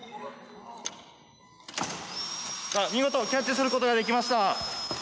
見事キャッチすることができました！